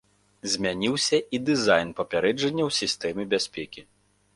Змяніўся і дызайн папярэджанняў сістэмы бяспекі.